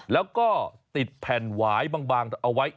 แล้วก็ติดแผ่นหวายบางเอาไว้